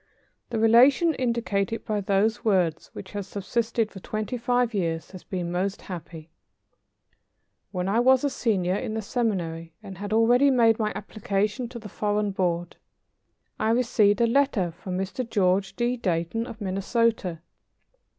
The relation indicated by those words, which has subsisted for twenty five years, has been most happy. When I was a senior in the seminary and had already made my application to the Foreign Board, I received a letter from Mr. George D. Dayton of Minnesota.